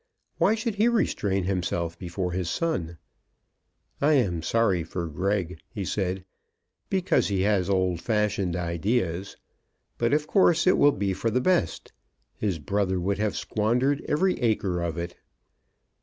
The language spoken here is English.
Why should he restrain himself before his son? "I am sorry for Greg," he said, "because he has old fashioned ideas. But of course it will be for the best. His brother would have squandered every acre of it."